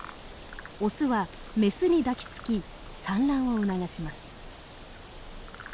オスはメスに抱きつき産卵を促します。